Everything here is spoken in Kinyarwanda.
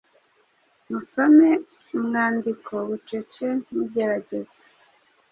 musome umwandiko bucece mugerageza